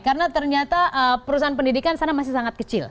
karena ternyata perusahaan pendidikan di sana masih sangat kecil